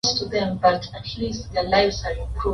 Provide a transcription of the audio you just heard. u ya ijumaa kama hii tulivu huwa tunakwandalia